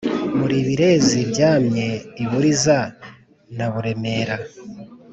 muri ibirezi byamye i buriza na buremera